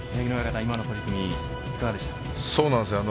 今の取組、いかがでしたか？